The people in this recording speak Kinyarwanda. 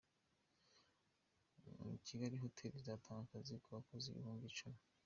Kigali Hoteri izatanga akazi ku bakozi Ibihumbi Icumi